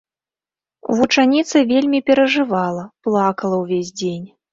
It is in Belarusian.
Вучаніца вельмі перажывала, плакала ўвесь дзень.